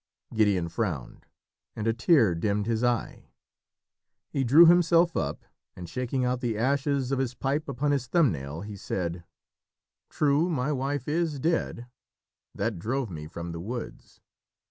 Gideon frowned, and a tear dimmed his eye; he drew himself up, and shaking out the ashes of his pipe upon his thumbnail, he said "True, my wife is dead. That drove me from the woods.